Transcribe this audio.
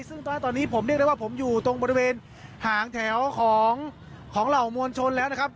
ซึ่งตอนนี้ผมเรียกได้ว่าผมอยู่ตรงบริเวณหางแถวของเหล่ามวลชนแล้วนะครับ